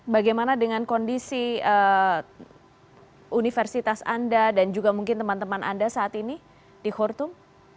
bagaimana dengan kondisi universitas anda dan juga mungkin teman teman anda saat ini di khurtum